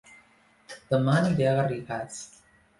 Dema aniré a Garrigàs